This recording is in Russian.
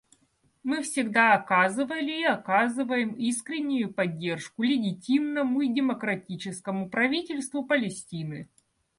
Мы всегда оказывали и оказываем искреннюю поддержку легитимному и демократическому правительству Палестины.